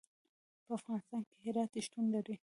په افغانستان کې هرات شتون لري.